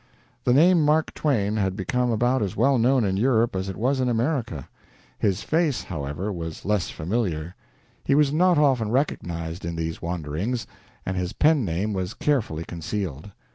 The name Mark Twain had become about as well known in Europe as it was in America. His face, however, was less familiar. He was not often recognized in these wanderings, and his pen name was carefully concealed.